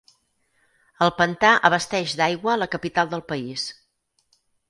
El Pantà abasteix d'aigua la capital del país.